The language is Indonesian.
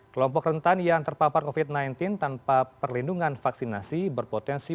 kelompok rentan yang terpapar covid sembilan belas tanpa perlindungan vaksinasi berpotensi